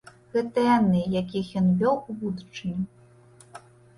Гэта яны, якіх ён вёў у будучыню.